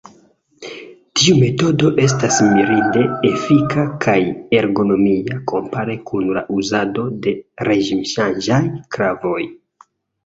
Tiu metodo estas mirinde efika kaj ergonomia kompare kun la uzado de reĝimŝanĝaj klavoj.